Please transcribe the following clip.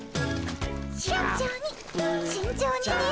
慎重に慎重にね。